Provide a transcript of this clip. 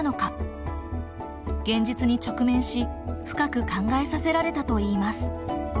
現実に直面し深く考えさせられたといいます。